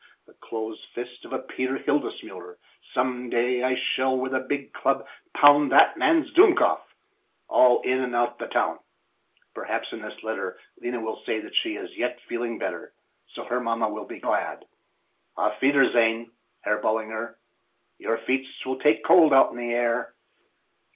The close fist of a Peter Hildesmuller!—some day I shall with a big club pound that man's dummkopf—all in and out the town. Perhaps in this letter Lena will say that she is yet feeling better. So, her mamma will be glad. Auf wiedersehen, Herr Ballinger—your feets will take cold out in the night air."